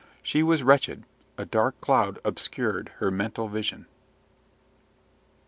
She was wretched: a dark cloud obscured her mental vision.